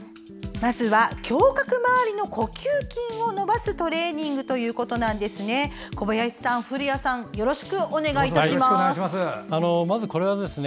まずは胸郭回りの呼吸筋を伸ばすトレーニングということですね。